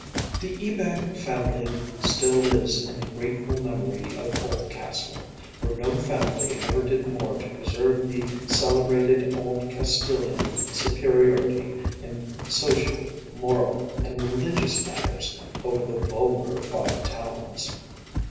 The Ebag family still lives in the grateful memory of Oldcastle, for no family ever did more to preserve the celebrated Oldcastilian superiority in social, moral and religious matters over the vulgar Five Towns.